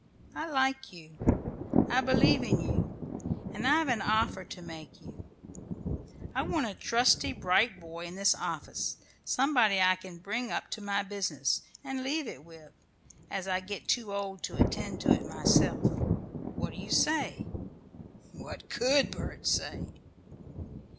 I like you; I believe in you; and I've an offer to make to you: I want a trusty, bright boy in this office, somebody I can bring up to my business, and leave it with, as I get too old to attend to it myself. What do you say?" What could Bert say?